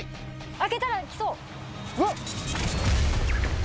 開けたら来そう。